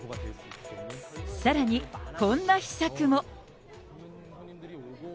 さらに、こんな秘策も。